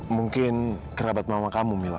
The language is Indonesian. mungkin kerabat mama kamu mila